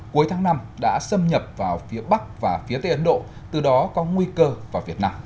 cuối tháng năm đã xâm nhập vào phía bắc và phía tây ấn độ từ đó có nguy cơ vào việt nam